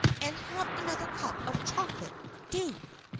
"And have another cup of chocolate; do!"